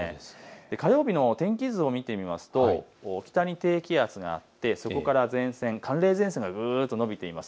火曜日の天気図を見てみますと北に低気圧があって、そこから前線、寒冷前線がぐっと延びています。